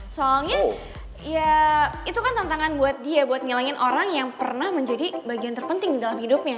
soalnya ya itu kan tantangan buat dia buat ngilangin orang yang pernah menjadi bagian terpenting dalam hidupnya